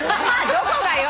どこがよ！？